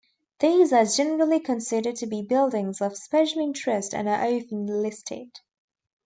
These are generally considered to be buildings of special interest and are often listed.